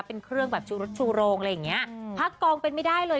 เป็นเครื่องแบบชูรสชูโรงอะไรอย่างเงี้ยพักกองเป็นไม่ได้เลย